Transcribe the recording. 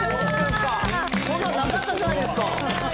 そんなんなかったじゃないですか。